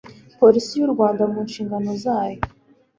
polisi y u rwanda mu nshingano zayo